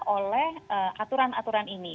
oleh aturan aturan ini